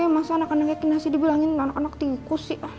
masa anak anaknya ke nasi dibilangin anak anak tikus sih